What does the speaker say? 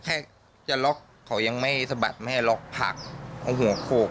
แค่จะล็อกเขายังไม่สะบัดไม่ให้ล็อกผักเอาหัวโขก